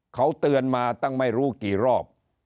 เขาเตือนมาตั้งไม่รู้กี่รอบ